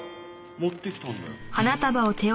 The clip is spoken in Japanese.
持ってきたんだよ。